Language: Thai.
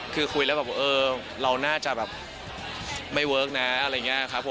คุยแล้วเราน่าจะไม่เวิร์คนะ